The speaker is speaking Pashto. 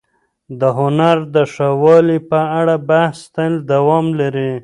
د هنر د ښه والي په اړه بحث تل دوام لري.